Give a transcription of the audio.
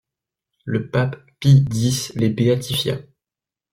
Le pape Pie X les béatifia.